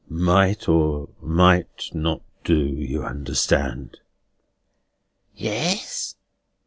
"Might or might not do, you understand." "Yes."